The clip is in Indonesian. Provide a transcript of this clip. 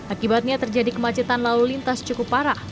akibatnya terjadi kemacetan lalu lintas cukup parah